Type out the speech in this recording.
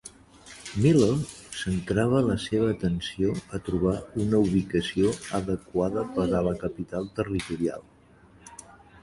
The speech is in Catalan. Miller centrava la seva atenció a trobar una ubicació adequada per a la capital territorial.